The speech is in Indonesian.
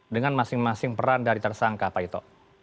dengan masing masing peran dari tersangka pak ito